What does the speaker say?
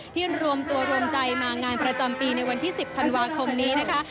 รวมตัวรวมใจมางานประจำปีในวันที่๑๐ธันวาคมนี้นะคะ